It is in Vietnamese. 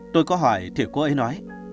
tôi có hỏi thì cô ấy nói